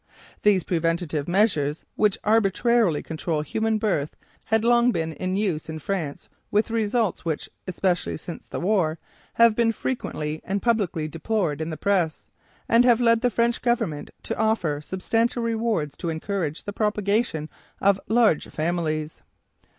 These preventive measures which arbitrarily control human birth had long been in use in France with results which, especially since the war, have been frequently and publicly deplored in the press, and have led the French Government to offer substantial rewards to encourage the propagation of large families.